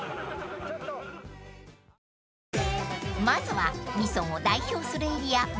［まずはＶＩＳＯＮを代表するエリア